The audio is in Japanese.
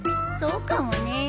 そうかもね。